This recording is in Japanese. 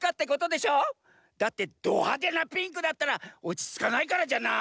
だってどはでなピンクだったらおちつかないからじゃない？